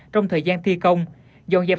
trong thời gian thi công dọn dẹp